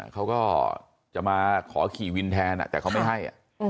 เขาก็จะมาขอขี่วินแทนแต่เขาไม่ให้